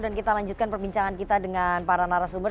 dan kita lanjutkan perbincangan kita dengan para narasumber